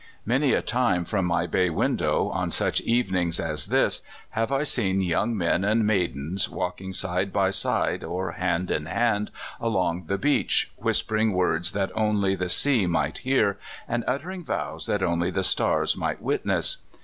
Many a time from my bay window, on such evenings as this, have I seen young men and maidens walking side by side, or hand in hand, along the beach, w^hispering words that only the sea might hear, and uttering vows that only the stars might witness.